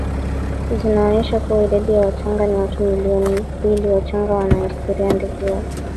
zinaonyesha kuwa idadi ya Wachagga ni watu milioni mbiliWachagga wana historia ndefu ya